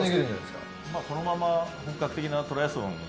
このまま本格的なトライアスロンを。